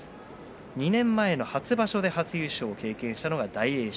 ２年前の初場所で初優勝を経験したのが大栄翔